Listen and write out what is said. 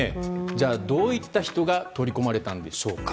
じゃあ、どういった人が取り込まれたんでしょうか。